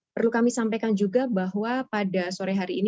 perlu kami sampaikan juga bahwa pada sore hari ini